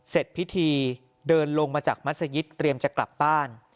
เสร็จพิธีเดินลงมาจากมัศยิตเตรียมจะกลับบ้าน